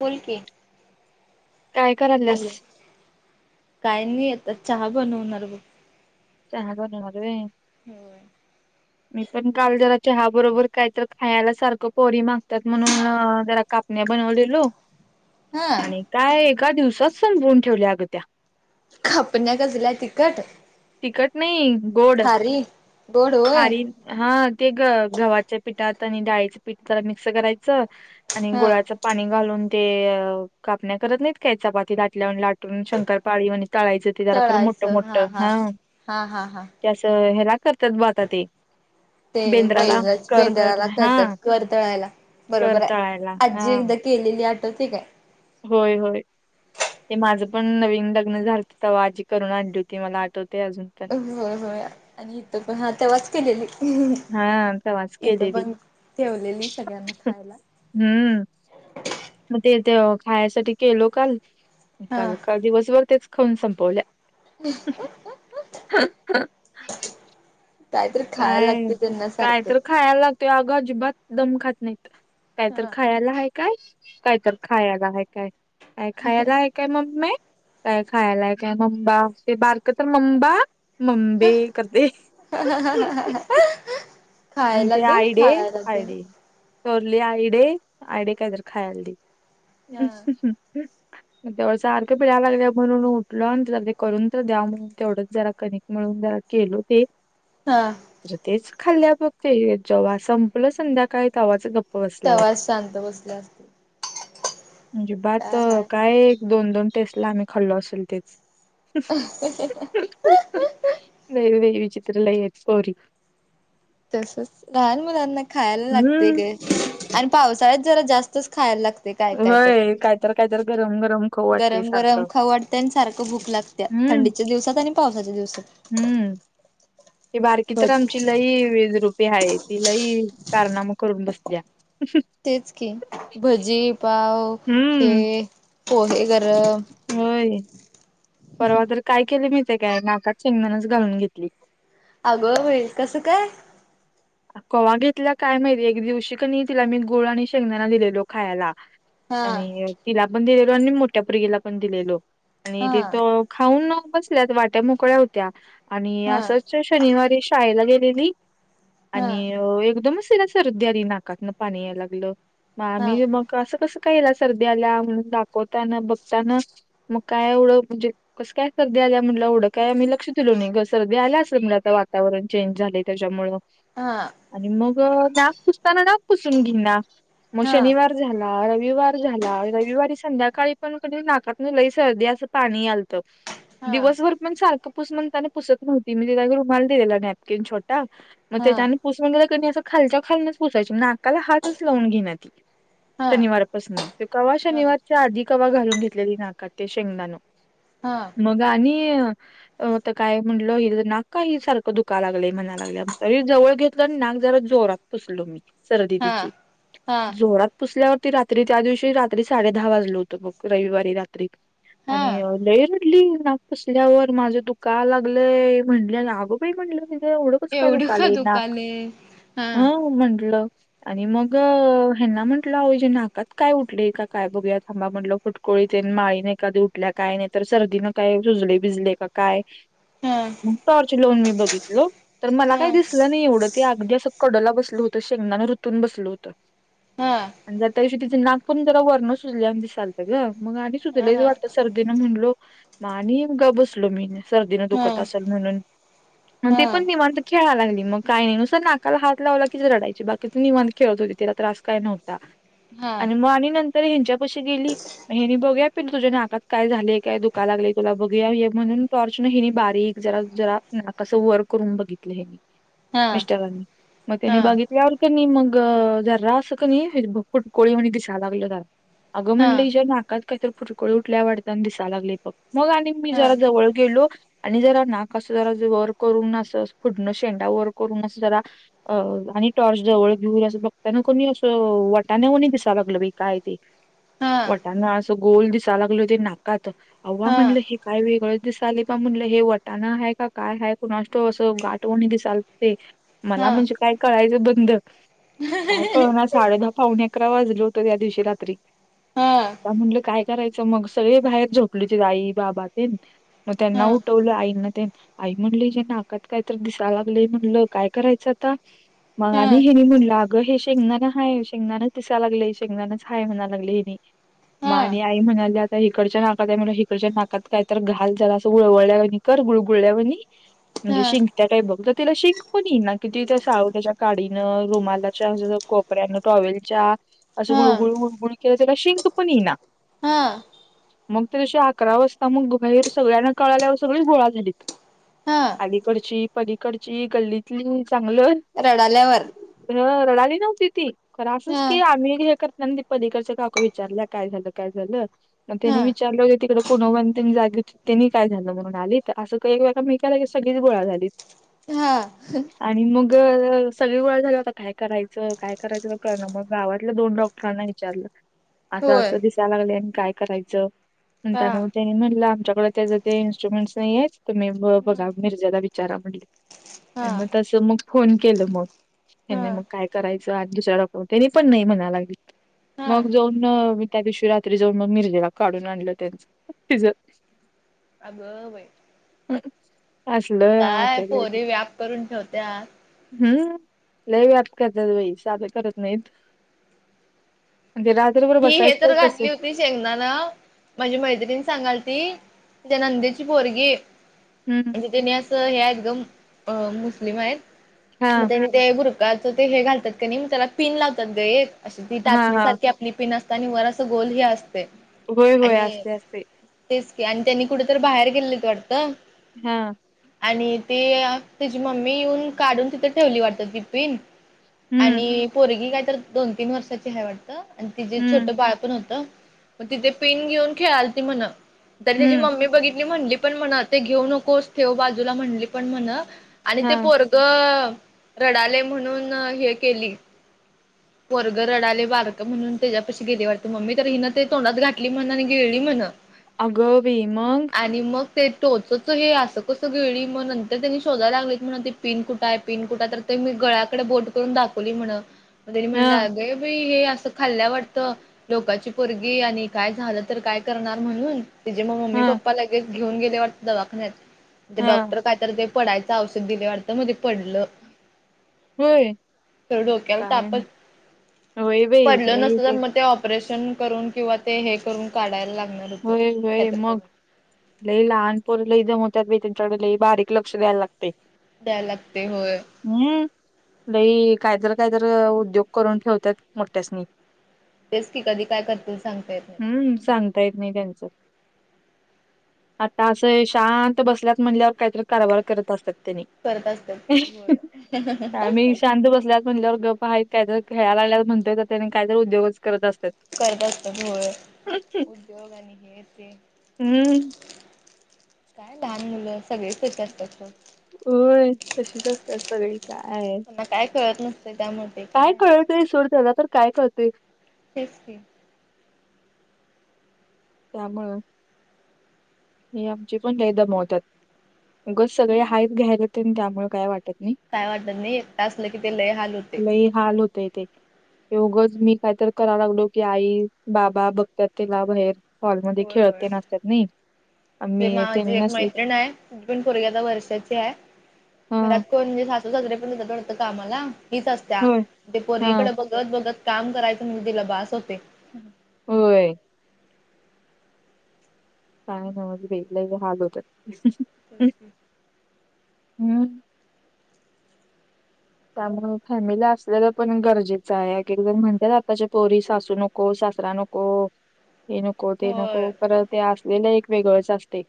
बोल काय करायल्यास? हॅल काय नाही य तर चहा बनवणार ब चहा बणार र होम मी पण काल जरा चहा बरोबर काय तर खायला सारखं पोरी माग त्यात म्हणून जरा कापण्या बनवलेलो हा आणि काय एका दिवसात संपवून ठेवल्या अगोत्या खपण्या कसला तिकट तिकट नाही गोड गोड होय खारी हा ते ग गव्हाच्या पीठात आणि डाळीचे पीठ जरा मिक्स करायचं आणि हा गोळाचं पाणी घालून ते कापण्या करत नाहीत काय चपाती दातल्या लाट शंकरपाळी म्हण ताळायचं ते जरा खरं मोठ मोठं हा हा हा हा त्यास ह्याला करतात ब आता ते ते बेंद्राला वैरच करतात बेंदराला हा करतात वतळायला बरोबर हाय करताळायला हा आजी एकदा केलेली आठवतय काय? होय होय. ते माझं पण नवीन लग्न झालंत तवा आजी करून आणली होती मला आठवत होय होय आणि इथ पण हा तवाच केलेली. हा अंता वास्के इथं देदी पण ठेवलेली सगळ्यांना खायला हम्म [inaudible] मग तेथ खाण्यासाठी केलो काल हा काल काल दिवसभर तेच खाऊन संपवल्या ह कायतरी खायला काय लागते त्यांना काय सारखं. तर खायला लागतोय अग अजिबात दम खात नाही कायतर हा खायला हाकाय कायतर खायला हाकाय अ खायला आहे काय मम्म काय खायलाय काय मम्बाे बारक तर मम्बा मबे करध ह ह आणि ते आयडे आयडे चोरली आईडे आईडे कायत खायला हा तेवढ सारखं पिडय लागल्या म्हणून उठल आणि ते करून तर द्या म्हणून तेवढंच जरा कनिक मिळून र खेलो ते जे तेच खाल्ल्या बघ ते जेव्हा संपलं संध्याकाळी तव्हाच गप् बसल्या बघ तवाच शांत बसले असतील म्हणजे बात काय काये दोन दोन टेस्ट ला आम्ही खाल्लो असेल तेच नाई बाई वि चित्र लय हायत कोरी. तसच लहान मुलांना खायला लागतय हम्म. ग आणि पावसाळ्यात जरा जास्तच खायला लाग ते काय काय तर होय कायतर कायतर गरम गरम खाऊ वाटतय गरम गरम सारखं खाऊ वाटतंय आणि सारख भूक लागत्या हम्म थंडीच्या दिवसात आणि पावसाच्या दिवसात. [inaudible] ती बारकी तर भज आमची लई विदरूपी हाय ती लई कारनाम करून बसतीया. तेच की, भजी पाव हे हम्म पोहे ग रम. होय परवा तर काय केली माहिते काय नाकात शेंगदाणच घालून घेतली. अगो बाई! कसं काय? कवा घेतल्या काय माहिती एक दिवशी क नाय तिला मी गूळ आणि शेंगदाना दिलेलो खायाला. हा आणि तिला पण दिलेलो आणि मोठ्या पोरगीला पण दिलेलो. आणि हा तिथ खाऊन बसल्यात वाट्या मोकळ्या होत्या. आणि हा असंच शनिवारी शाळेला गेलेली हा आणि एकदमच तिला सर्दी आली नाकात पाणी यायला लागलं मग हा आम्ही मग अस कस का हीला सर्दी आल्या म्हणून दाखवताना बघताना मग काय एवढ म्हणजे कस काय सर्दी त्याज्यामुळं एवंढं काय आम्ही लक्ष दिलो नाही ग सर्दी आल्या असल आता वातावरण चेंज झाले त्याच्यामुळ हा. त नाक पुसताना नाक पुसून घे ना म हा शनिवार झाला. रवि विवार झाला रविवारी संध्याकाळी पण कनय नाकातनं लय सर्दी असं पाणी आल हा दिवसभर पण सारखं पुस म्हणतानी पुसत नव्हती मी [unintelligible] रुमाल दिलेला नॅपकिन छोटा मग हा त्याने पुस म्हण दिला कनी अस खालच्या खालनच पुसायची नाकाला हातच लावून घेई ना ती हा शनिवारपासन ते कवा हा शनिवारच्या आधी कवा घालून घेतलेली नाकात ते शेंगदान हा मग आणि त काय म्हणट हिज नाक काय ही सारखं दुकायला लागलंय म्हणा लागल मग लगीच जवळ घेतलं आणि नाक जरा जोरात पुसलो मी सर्दी हा तिची हा जोरात पुसल्यावर ते रात्री त्या दिवशी रात्री साडे दहा वाजलं होतं बघ रविवारी रात्री आणि हा लई ती नाक पुसल्यावर माझ दुकाय लागलंय म्हणली आणि आगो बाई म्हणलं मी एवढंच कस काय एवढं का दुखलाई नाक दुखाले हा हं म्हंटलं. आणि मग ह्यंना म्हटलं आओ हिज्या नाकात काय उठलयं काय बघूया थांबा म्हटलं फुटकोळ तेन माळीन एकादी उठल्या काय नाही तर सर्दी न काय सुजलय बिजलय का काय? हा मग टॉर्च लावून मी बघितलो. हा काय दिसलं नाय एवढं ते अगदी असं कडला बसलं होतं शेंगदाने रूतून बसल होतं. हा आणि जरां त्या दिवशी तिचें नाक पण जरा वरण सुजल्या वानी दिसालत ग. मंग आम्ही सुध हा लईच हा वाटत सर्दीन म्हणलो म आणि गप बसलो मीनं सर्दीन हा दुखत असल म्हणून ते हा पण निवांत खेळा लागली मग काय नाई नुसता नाकाला हात लावला कीचं रडायची बाकीची निवांत खेळत होती तिला त्रास काय नव्हता. हा आणि मग आणि नंतर हेच्यापशी गेली हेनी बघ्या पिलू तुझ्या नाकात काय झालेय काय दुखायला लागलय तुला बघूया हे म्हणून टॉर्चन हिनी बारीक जरा जरा नाक अस वर करून बघितलं ह्यांनी हा मिस्टरांनी मग त्यानी हा बघितल्यावर कनी मग अ जरासं कनी हे बघ फुटकोळी वानी दिसायला लागलं जरा अगं हा हा म्हटलं हिच्या नाकात काहीत फुरकुळी उठल्या वाटत आणि दिसाया लागलय बघ मग आणि मी हा जरा जवळ गेलो आणि जरा नाक असं जरा वर करून असं असं फुडणं शेंडा वर करून अस जरा आणि अ टॉर्च जवळ घेऊन असं बघतायन कनी असं वटाण्यावाणी दिसाय लागलं बाई काय ते हा हा वटाणा असं गोल दिसाय लागलं ते नाकात अव्वा म्हणलं हा हे काय वेगळ दिसाले प म्हणलं हे वटाणा हाय का काय कुणास ठाव असं गाठवणी दिसायलत ते मला हा हा म्हणजे काय कळायचं बंद काय कळणार साडे दहा पाउणे अकरा वाजलं होत त्या दिवशी रात्री आता म्हणलं काय विचारायचं मग सगळे बाहेर झोपली होती आई बाबा तेन मग त्यांना हा उठवलं आईन तेन आई म्हणल हिज्या नाकात कायतर दिसाय लागलयं म्हणलं काय करायचं आता? मग आणि ह्यनी म्हणलं अगं हे शे गदाना हाय शेंगदानाच दिसाय लागलयं शेंगदाच हाय म्हणाय लागल ह्यंनी म आणि आई म्हणाल्या हिकडच्या नाकात आहे हिकडच्या नाकात काय तर घाल झाला जरा असं उळवळल्या कर गुळगुळल्या वाणी म्हणजे हा शिंकतिया बघ तर तिला शिंक पण येईना. किती त्या साळूत्याच्या काडीनं रुमालाच्या असं कोपऱ्यानं टॉवेलच्या असं गुळू हा गुळू गुळू गुळ केलं त्याला शिंक पण येई ना. हा. मग त्यादिवशी अकरा वाजता मग बाहेर सगळ्यांना कळाल्यावर सगळी गोळा झालीत. हा अलीकडची पलीकडची गल्लीतली चांगल रडाल्यावर हं रडली नव्हती ती खर असच हा की आम्ही हे कर नाही पलीकडच्या काकु विचारल्या काय झालं? काय झालं? हा त्यानी विचारलं हो तिकडे पुनोवान त्यांनी जागे होतीत त्यांनी काय झालं म्हणून आलीत असं ते एकामेकाला सगळीच गोळा झालीत. हा हं. आणि मग सगळी गोळा झाली आता काय करायचं काय करायचं तर कळण मग गावातल्या दोन डॉक्टरांना विचारलं असं होय असं दिसाय लागलंय आणि काय करायचं? हा म्हणताना मग त्यानी म्हणलं आमच्याकड त्याच ते इन्स्ट्रुमेंट्स नाहीये तुम्ही ब बघा. मिर्जाला विचारा म्हणलं हा आण मग तसं मग फोन केल हा हा ह्यंनी मग काय करायचं? [unintelligible] दुसऱ्या डॉक्टर त्यांनी पण नाही म्हणायं लागलीत हा मग जाऊन त्या दिवशी रात्री जावून मग मिरजेला काढून आणलं त्यांच तिज. अग बाई. असल काय आमच्याघरी पोरी व्याप करून ठेवत्यात. हम्म. लय व्याप करत्यात बाई साधं करत नाहीत. म्हणजे रात्रभर ही हे बसायचं तर कसं घातली होती शेंगदाणा माझी मैत्रिणी सांगायल ती तिज्या नंद्येची पोरगी हम्म म्हणजे त्यानी असं हे आहेत ग मु अ मुस्लिम हा आहेत मग त्यांनी ते बर ते हे घालतात का त्याला पिन लावतात ग एक ती हा टाचणी हा सारखी आणि वर असं गोल हे असत. होय होय असते असते. तेच आणि त्यांनी कुठे तर बाहेर गेले वाटतं. हा! आणि ते त्यजी मम्मी येऊन काढून तिथे ठेवली वाटतं ती पिन. हम्म आणि पोरगी काय तर दोन तीन वर्षांची हाय वाटतं आणि तिजी हम्म छोटं बाळ पण होत. मग तिथे पिन घेऊन खेळायलती म्हण तर तिजी हम्म मम्मी बघितली म्हणली पण म्हणं ते घेऊ नकोस ठेव बाजूला म्हणली पण म्हणं आणि ते हा पोरग रडायलयं म्हणून हे केली पोरगं रडायलयं बार म्हणून त्याच्या पशी गेली वाटत मम्मी तर हिन ते तोंडात घातली म्हणं आणि गिळली म्हणं. आग बाई मग? ते टोचच हे असं कसं गिळली मग नंतर त्यांनी शोधायला लागलित म्हणं ते पिन कुठाय? पिन कुठाय? तर ते ते गळ्याकडे बोट करून दाखवली म्हण म त्यंनी हा म्हणलीत अगे बाई हे अ खाल्ल्या वाटतं लोकाची पोरगी आणि काय झालं तर काय करणार म्हणून. तिजे म मम्मी हा पप्पा लगेच घेऊन गेले वाटत दवाखान्यात ते हा डॉक्टर कायतर ते पडायचं औषध दिले वाटतं म ते पडलं. होय तर डोक्याला काय होय बाई. नसत लय तर मग ते ऑपरेशन करून किंवा ते हे करून काढायला लाग होय वय मग, लई लहानपोर ल इदम होतत बा त्यांच्याकडे लई बारीक लक्ष द्यायला लागत. द्यायला लागते होय हम् लई. काय जर काय जर उद्योग करून ठेवतात मोठ्यासनी, तेच की कधी काय करतील सांगता येत नाही. हम्म! सांगता येत नाही त्यांचं आता असं शांत बसल्यात म्हणल्यावर काहीतरी कारभार करत असतात. करत असतात ते होय म्ही शांत बसल्यात म्हणल्यावर ग काही जर खेळालागल्याला म्हणतयेतात कायर उद्योगच करत असतात. करत असत्यात होय, हम्! काय लहान मुलं सगळेच तसे असतात. होय तशीच असतात सगळी, काय त्यांना काय कळत न काय कळतेय सोड त्याला तर काय कळतय, एस, त्यामुळं हे आमचे पण काही दमवतातगस सगळे हाच घ्यायलाते त्यामुळे काय वाटत. नाही. काय वाटत नाही एकट असलं की ते लय हाल होते. एगंच मी काहीतरी करायला लागलो की, आई बाबा बघतात तिला बाहेर हॉलमध्ये होय होय खेळते नसतात नाही. ते आम्ही त्यांनी माझी एक नसले मैत्रिण आहे, ती पण पोरगी आता वर्षाची आहे. हा घरात कोणे सासू साजे पण होतो. का आमला हीच असत होय ते हा पोरीवीकडे बघत, बघत काम करायचं मग तिला भास होते. होय. काय ना म्हणजे वेगला हाल होतात. बस. हम्म! त्यामुळे फॅमिली असल्याला पण गरजेचं आहे, एकेक जण म्हणतेत आताच्या पोरी सासू नको सा दसरा नको हे नको ते नको. होय परत ते असलेलं एक वेगळंच असते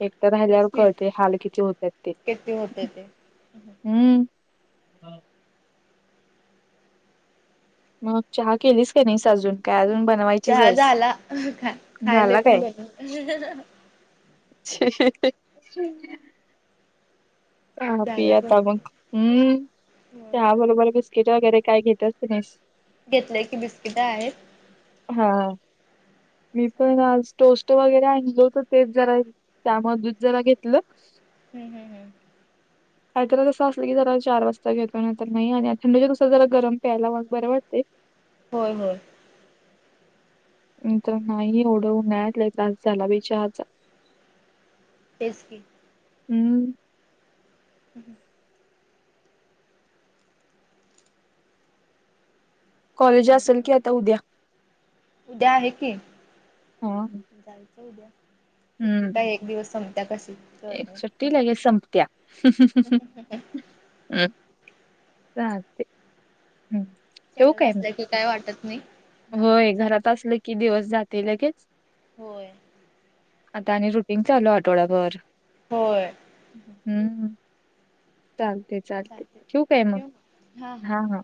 एकट राहिल्यावर तेच की कळते हाल किती होतात ते? किती होते ते हम्म हा. मग चहा केलीस का नाही अजून काय अजून? बनवायचीच चहा आहेस झाला. ख खायले झाला पण बन अ्. च झाला पियाता मग बनव हम्म चहा हो बरोबर बिस्किट वगैरे. काय घेतस नाही. घेतलेय की बिस्किट आहेत. हा मी तेच पण खायला आज टोस्ट. वगैरे आणल होत ते जरा त्यामध जरा घेतलं. हम्, हम्म, हम्म! काही तर तसं असलं की जरा चार वाजता घेतो, तर नाही आणि थंडीच्या दुसर जरा गरम प्यायला मग बरे वाटते. होय होय. तर नाही एवढं उन्हाळ्यात लई त्रास झाला बाई चहाचा. एसकी हम्म! हम् हम, कॉलेज आणि असेल की आता उद्या उद्या आहे कि, हा हम्म संपत्या कशी कळत एक सुट्टी नाही लागे संपत्या हम्. चालते हम्. चल असल्या की काय वाटत नाही. हा होय घरात चालतंय असल की दिवस जाते लगेच- होय आता आणि रुटीन चालू आहे आठवड्याभर. होय हम्म. चालते चालते, चालतंय ठेऊ काय म? हा हा.